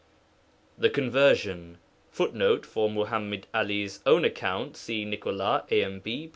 The conversion [Footnote: For Muḥammad 'Ali's own account, see Nicolas, AMB, pp.